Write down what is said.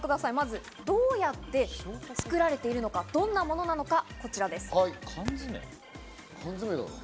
まずどうやって作られているのか、どんなものなのか、こちらです。